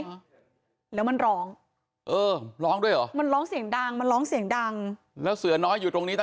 ชาวบ้านก็ออกมาดูออกมาช่วยตามหาคนร้ายแต่ตอนแรกไม่รู้ว่าคนร้ายไปซ่อนตัวอยู่ที่ไหน